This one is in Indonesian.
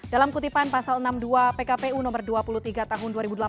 dalam kutipan pasal enam puluh dua pkpu nomor dua puluh tiga tahun dua ribu delapan belas